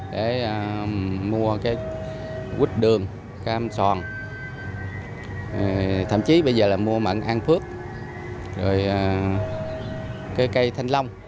để mua quýt đường cam soàn thậm chí bây giờ là mua mận an phước cây thanh long